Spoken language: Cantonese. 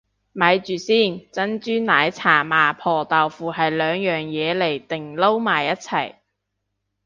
咪住先，珍珠奶茶麻婆豆腐係兩樣嘢嚟定撈埋一齊